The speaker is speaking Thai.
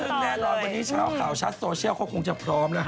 ซึ่งแน่นอนวันนี้เช้าข่าวชัดโซเชียลเขาคงจะพร้อมแล้ว